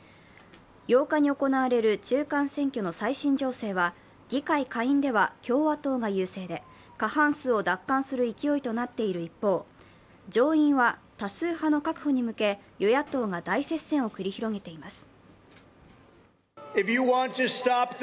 ８日に行われる中間選挙の最新情勢は議会下院では共和党が優勢で過半数を奪還する勢いとなっている一方、上院は多数派の確保に向け与野党が大接戦を繰り広げています。